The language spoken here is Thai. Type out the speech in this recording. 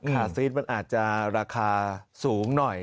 ซีสมันอาจจะราคาสูงหน่อย